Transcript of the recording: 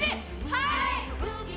はい！